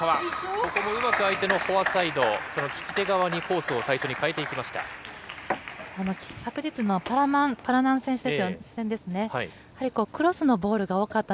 ここもうまく相手のフォアサイドその利き手側にコースを最初に変えていきました。